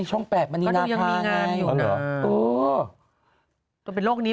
ช่องแปดมันเนียนาจะเป็นโรคนี้